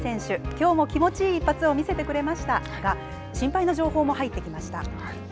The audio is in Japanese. きょうも気持ちいい一発を見せてくれましたが心配な情報も入ってきました。